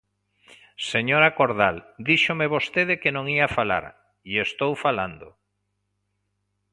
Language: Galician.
Señora Cordal, díxome vostede que non ía falar e estou falando.